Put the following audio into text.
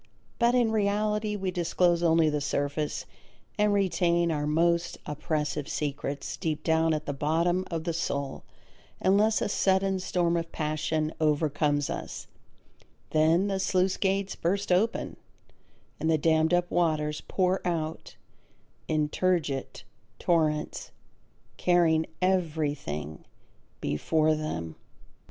But in reality we disclose only the surface and retain our most oppressive secrets deep down at the bottom of the soul unless a sudden storm of passion overcomes us; then the sluice gates burst open and the dammed up waters pour out in turgid torrents, carrying everything before them.